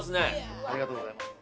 ありがとうございます。